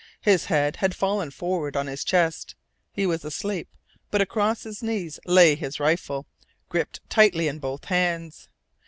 His head had fallen forward on his chest. He was asleep, but across his knees lay his rifle, gripped tightly in both hands.